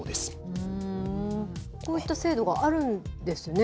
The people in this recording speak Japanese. こういった制度があるんですね。